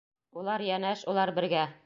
Улар йәнәш, улар бергә.